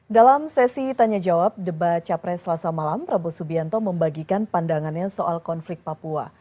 dalam sesi tanya jawab debat capres selasa malam prabowo subianto membagikan pandangannya soal konflik papua